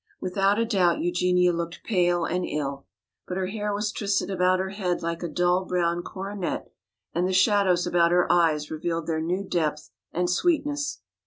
Without a doubt Eugenia looked pale and ill, but her hair was twisted about her head like a dull brown coronet and the shadows about her eyes revealed their new depth and sweetness.